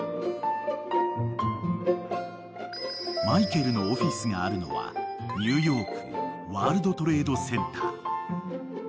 ［マイケルのオフィスがあるのはニューヨークワールドトレードセンター］